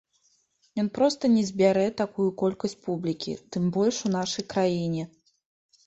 Ён проста не збярэ такую колькасць публікі, тым больш у нашай краіне.